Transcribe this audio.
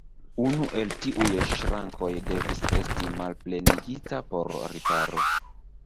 Unu el tiuj ŝrankoj devis esti malplenigita por riparo.